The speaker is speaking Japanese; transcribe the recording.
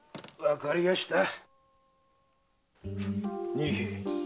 仁兵衛。